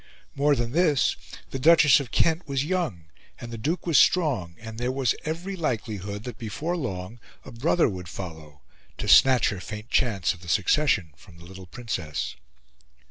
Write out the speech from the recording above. More than this, the Duchess of Kent was young, and the Duke was strong; there was every likelihood that before long a brother would follow, to snatch her faint chance of the succession from the little princess.